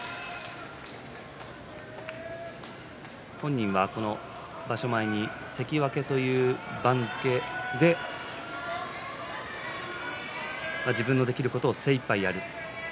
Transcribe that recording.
本人は、この場所前に関脇という番付で自分のできることを精いっぱいやる。